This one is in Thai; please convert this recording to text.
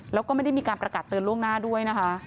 แล้วก็ไม่ได้มีการประกาศเตือนล่วงหน้าด้วยนะคะ